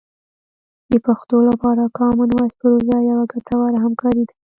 د پښتو لپاره کامن وایس پروژه یوه ګټوره همکاري ده.